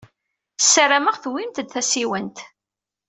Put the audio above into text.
Ssarameɣ tewwim-d tasiwant.